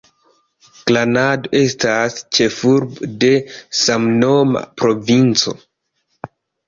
Granado estas ĉefurbo de samnoma provinco.